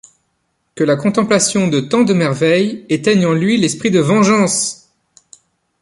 Que la contemplation de tant de merveilles éteigne en lui l’esprit de vengeance !